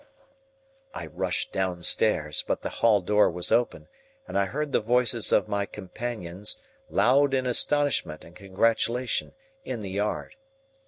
I rushed downstairs, but the hall door was open, and I heard the voices of my companions, loud in astonishment and congratulation, in the yard.